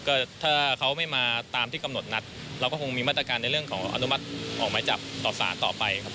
ก็ถ้าเขาไม่มาตามที่กำหนดนัดเราก็คงมีมาตรการในเรื่องของอนุมัติออกหมายจับต่อสารต่อไปครับ